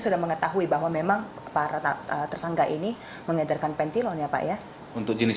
sudah mengetahui bahwa memang para tersangka ini mengedarkan pentilon ya pak ya untuk jenis